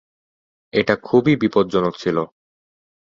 এটা খুবই বিপদজনক ছিল।